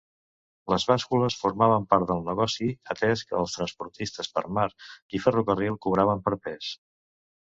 Les bàscules formaven part del negoci, atès que els transportistes per mar i ferrocarril cobraven per pes.